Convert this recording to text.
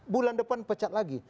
bulan depan pecat lagi